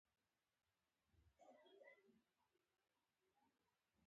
د ماین د پېښو کیسې دې د خپلې سیمې څخه ولیکي.